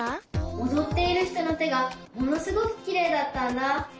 おどっているひとのてがものすごくきれいだったんだ。